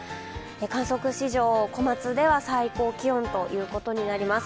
観測史上、小松では最高気温ということになります。